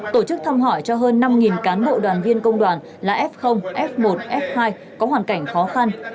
tổ chức thăm hỏi cho hơn năm cán bộ đoàn viên công đoàn là f f một f hai có hoàn cảnh khó khăn